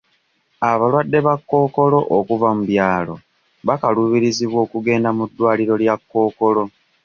Abalwadde ba Kkookolo okuva mu byalo bakaluubirizibwa okugenda ku ddwaliro lya Kkookolo.